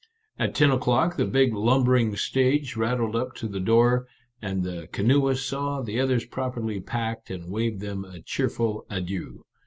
At ten o'clock the big lumbering stage rat tled up to the door, and the canoeists saw the others properly packed and waved them a cheerful adieu.